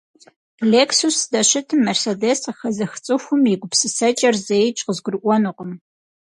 Lêksus zdeşıtım Mersedês khıxezıx ts'ıxum yi gupsıseç'er zeiç' khızgurı'uenukhım.